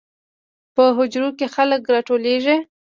په حجرو کې خلک راټولیږي.